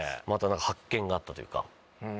また発見があったというか。